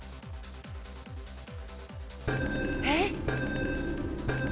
えっ？